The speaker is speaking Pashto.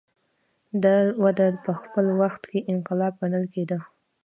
دا وده په خپل وخت کې انقلاب ګڼل کېده.